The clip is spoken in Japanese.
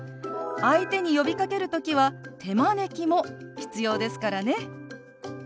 相手に呼びかける時は手招きも必要ですからね。